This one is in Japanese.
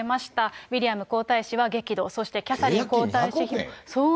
ウィリアム皇太子は激怒、そしてキャサリン皇太子妃。